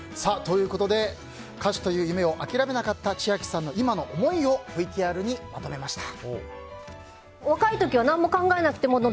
歌手という夢を諦めなかった千秋さんの今の思いをＶＴＲにまとめました。